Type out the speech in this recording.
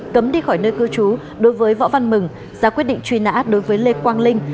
cấm đi khỏi nơi cư trú đối với võ văn mừng ra quyết định truy nã đối với lê quang linh